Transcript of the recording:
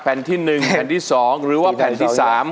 แผ่นที่หนึ่งแผ่นที่สองหรือว่าแผ่นที่สาม